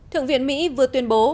thượng viện mỹ vừa tuyên bố